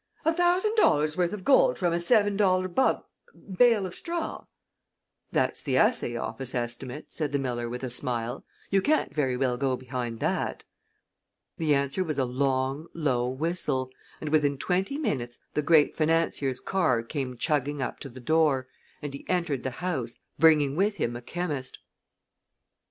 "A thousand dollars' worth of gold from a seven dollar bub bale of straw?" "That's the assay office estimate," said the miller, with a smile. "You can't very well go behind that." The answer was a long, low whistle, and within twenty minutes the great financier's car came chugging up to the door, and he entered the house, bringing with him a chemist.